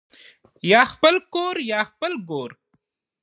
یا خپل کور یا خپل ګور